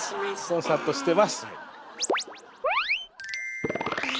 コンサートしてます。